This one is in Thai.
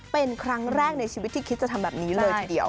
เป็นครั้งแรกในชีวิตที่คิดจะทำแบบนี้เลยทีเดียว